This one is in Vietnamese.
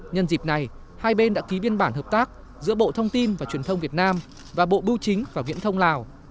nhân dịp này hai bên đã ký biên bản hợp tác giữa bộ thông tin và truyền thông việt nam và bộ bưu chính và viễn thông lào